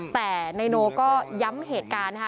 แต่นายนูก็ย้ำเหตุการณ์